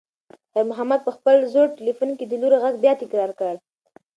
خیر محمد په خپل زوړ تلیفون کې د لور غږ بیا تکرار کړ.